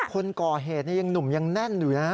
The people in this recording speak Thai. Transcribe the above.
คนก่อเหตุยังหนุ่มยังแน่นอยู่นะ